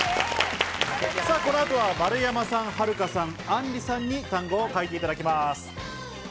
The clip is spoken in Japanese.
この後は丸山さん、はるかさん、あんりさんに単語を書いていただきます。